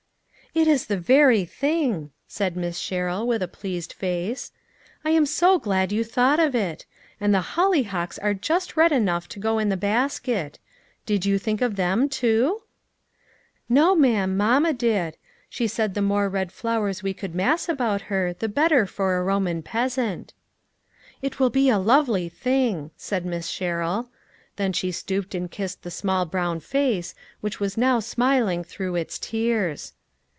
"It is the very thing," said Miss Sherrill with a pleased face ;" I am so glad you thought of it. And the hollyhocks are just red enough to go in the basket. Did you think of them too ?"" No, ma'am ; mamma did. She said the more red flowers we could mass about her, the better for a Roman peasant." " It will be a lovely thing," said Miss Sherrill. Then she stooped and kissed the small brown face, which was now smiling through its tears.